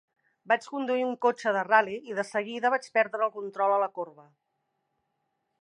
Vaig conduir un cotxe de ral·li i de seguida vaig perdre el control a la corba.